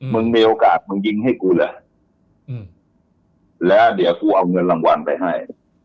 มึงมีโอกาสมึงยิงให้กูเหรอแล้วเดี๋ยวกูเอาเงินรางวัลไปให้